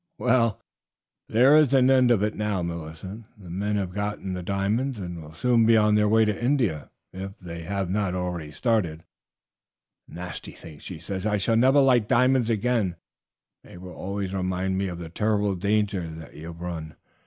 "Well, there is an end of it now, Millicent; the men have got the diamonds, and will soon be on their way to India, if they have not started already." "Nasty things!" she said; "I shall never like diamonds again: they will always remind me of the terrible danger that you have run.